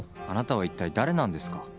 あなたは一体誰なんですか？